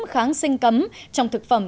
kháng sinh cấm trong thực phẩm